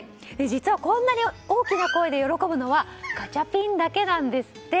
実はこんなに大きな声で喜ぶのはガチャピンだけなんですって。